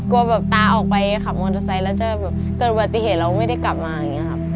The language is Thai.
กลัวแบบตาออกไปขับมอเตอร์ไซค์แล้วจะแบบเกิดอุบัติเหตุแล้วไม่ได้กลับมาอย่างนี้ครับ